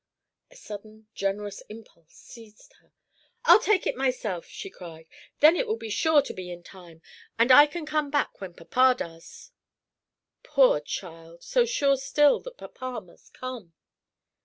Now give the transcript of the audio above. A sudden, generous impulse seized her. "I'll take it myself!" she cried. "Then it will be sure to be in time. And I can come back when papa does." Poor child, so sure still that papa must come!